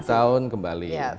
tujuh tahun kembali